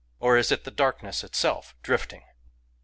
— or is the darkness itself drifting